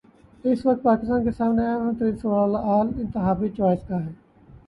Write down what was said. اس وقت پاکستان کے سامنے اہم ترین سوال انتخابی چوائس کا ہے۔